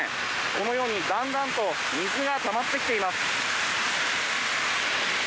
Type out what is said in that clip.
このようにだんだんと水がたまってきています。